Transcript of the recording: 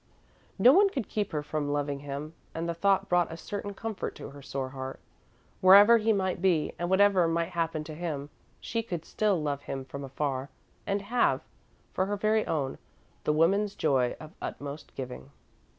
No one could keep her from loving him, and the thought brought a certain comfort to her sore heart. Wherever he might be and whatever might happen to him, she could still love him from afar, and have, for her very own, the woman's joy of utmost giving.